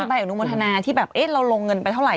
ต้องมีปายอบนุมทนาที่แบบเอ๊เราลงเงินไปเท่าไหร่